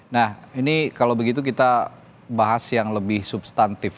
nah ini kalau begitu kita bahas yang lebih substantif